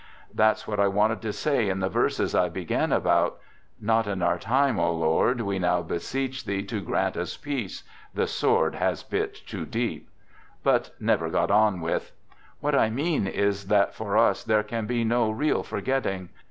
That's what I wanted to say in the verses I began about — Not in our time, O Lord, we now beseech Thee To grant us peace — the sword has bit too deep — but never got on with. What I mean is that for us there can be no real forgetting.